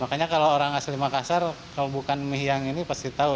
makanya kalau orang asli makassar kalau bukan mie yang ini pasti tahu